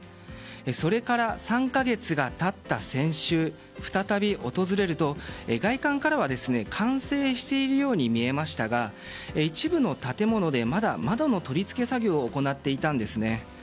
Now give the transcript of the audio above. それから３か月が経った先週再び訪れると、外観からは完成しているように見えましたが一部の建物でまだ窓の取り付け作業を行っていたんです。